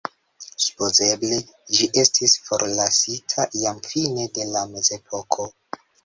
Supozeble ĝi estis forlasita jam fine de la mezepoko.